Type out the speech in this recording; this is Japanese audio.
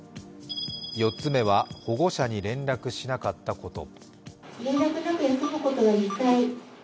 ４つ目は、保護者に連絡しなかったこと。